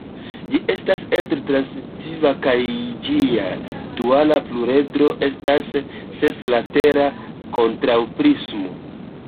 Ĝi estas edro-transitiva kaj ĝia duala pluredro estas seslatera kontraŭprismo.